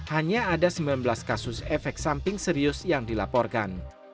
hanya ada sembilan belas kasus efek samping serius yang dilaporkan